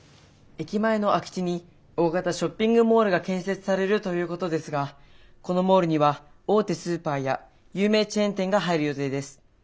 駅前の空き地に大型ショッピングモールが建設されるということですがこのモールには大手スーパーや有名チェーン店が入る予定です。